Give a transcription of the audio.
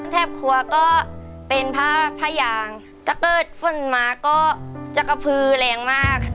แทบครัวก็เป็นผ้ายางถ้าเกิดฝนมาก็จะกระพือแรงมาก